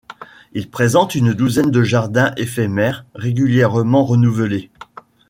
Il présente une douzaine de jardins éphémères régulièrement renouvelés.